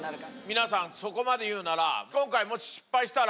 皆さんそこまで言うなら。